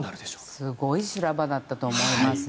すごい修羅場だったと思いますね。